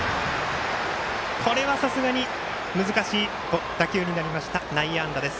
これはさすがに難しい打球になりました内野安打です。